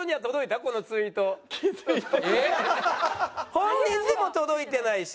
本人にも届いてないし。